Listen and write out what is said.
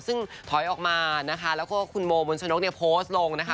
ซึ่งถอยออกมานะคะแล้วก็คุณโมบนชนกเนี่ยโพสต์ลงนะคะ